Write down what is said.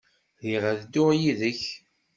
Riɣ ad dduɣ yid-k.